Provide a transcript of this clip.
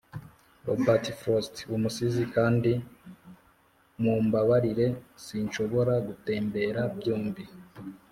robert frost umusizi kandi mumbabarire sinshobora gutembera byombi